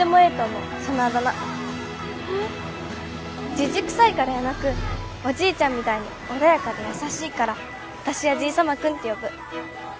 じじくさいからやなくおじいちゃんみたいに穏やかで優しいから私は「じいさま君」って呼ぶ。